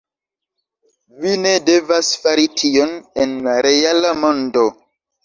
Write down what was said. Vi ne devas fari tion en la reala mondo